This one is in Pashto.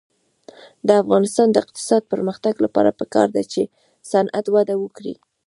د افغانستان د اقتصادي پرمختګ لپاره پکار ده چې صنعت وده وکړي.